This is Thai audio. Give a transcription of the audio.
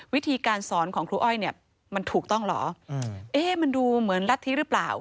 วิธีการสอนของครูอ้อยเนี่ยมันถูกต้องเหรอเอ๊ะมันดูเหมือนรัฐธิหรือเปล่า